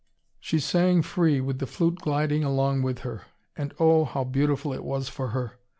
She sang free, with the flute gliding along with her. And oh, how beautiful it was for her!